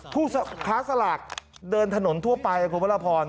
ผู้ค้าสลากเดินถนนทั่วไปคุณพระราพร